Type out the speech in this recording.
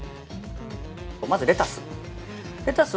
まずレタス。